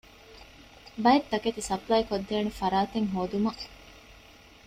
ބައެއް ތަކެތި ސަޕްލައި ކޮށްދޭނެ ފަރާތެއް ހޯދުމަށް